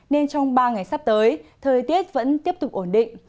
nên trong ba ngày sắp tới thời tiết vẫn tiếp tục ổn định